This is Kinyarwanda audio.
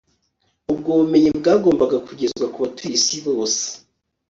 ubwo bumenyi bwagombaga kugezwa ku batuye isi bose